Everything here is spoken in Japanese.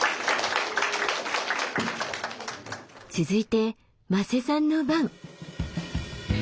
続いて馬瀬さんの番。